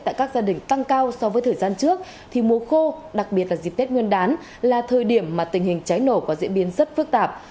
tại các gia đình tăng cao so với thời gian trước thì mùa khô đặc biệt là dịp tết nguyên đán là thời điểm mà tình hình cháy nổ có diễn biến rất phức tạp